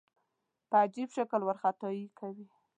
په عجیب شکل وارخطايي کوي.